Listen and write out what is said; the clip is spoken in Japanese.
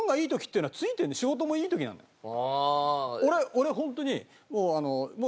俺ホントに。